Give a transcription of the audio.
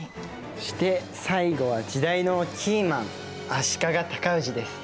そして最後は時代のキーマン足利高氏です。